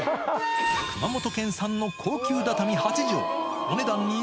熊本県産の高級畳８畳。